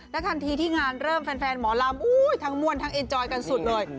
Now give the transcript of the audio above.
ทันทีที่งานเริ่มแฟนหมอลำทั้งม่วนทั้งเอ็นจอยกันสุดเลย